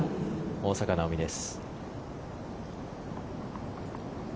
大坂なおみです。